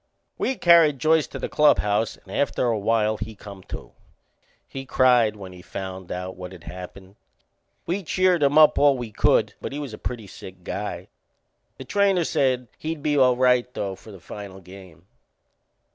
We carried Joyce to the clubhouse and after a while he come to. He cried when he found out what had happened. We cheered him up all we could, but he was a pretty sick guy. The trainer said he'd be all right, though, for the final game.